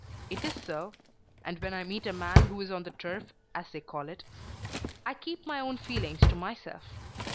It is so; and when I meet a man who is on the turf as they call it, I keep my own feelings to myself.